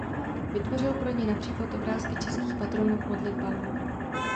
Vytvořil pro ni například obrázky českých patronů k modlitbám.